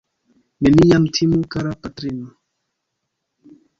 Neniam timu, kara patrino!